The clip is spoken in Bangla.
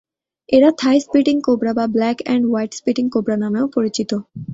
এরা থাই স্পিটিং কোবরা বা black and white spitting cobra নামেও পরিচিত।